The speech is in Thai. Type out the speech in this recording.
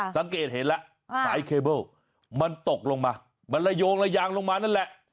สังเกตเห็นแล้วสายเคเบิ้ลมันตกลงมามันระโยงระยางลงมานั่นแหละ